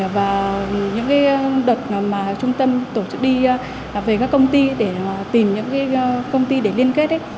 và những đợt mà trung tâm tổ chức đi về các công ty để tìm những công ty để liên kết